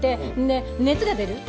で熱が出る。